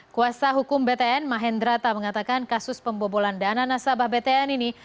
kuasa hukum btn mahendrata mengatakan kasus pembobolan dana nasabah btn ini